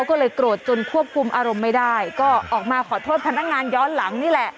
ก็เลยโกรธจนควบคุมอารมณ์ไม่ได้ก็ออกมาขอโทษพนักงานย้อนหลังนี่แหละ